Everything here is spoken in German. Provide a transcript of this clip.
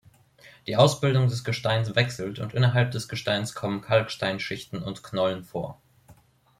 Die Ausbildung des Gesteins wechselt, und innerhalb des Gesteins kommen Kalksteinschichten und -knollen vor.